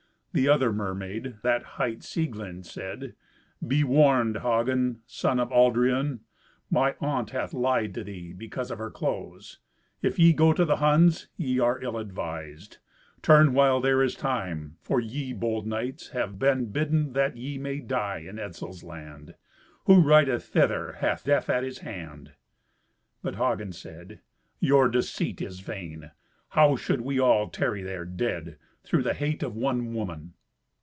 The other mermaid, that hight Sieglind, said, "Be warned, Hagen, son of Aldrian. My aunt hath lied to thee because of her clothes. If ye go to the Huns, ye are ill advised. Turn while there is time, for ye bold knights have been bidden that ye may die in Etzel's land. Who rideth thither hath death at his hand." But Hagen said, "Your deceit is vain. How should we all tarry there, dead, through the hate of one woman?"